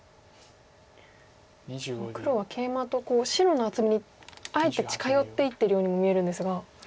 黒はケイマと白の厚みにあえて近寄っていってるようにも見えるんですが。